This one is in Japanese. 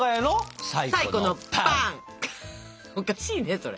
おかしいねそれ。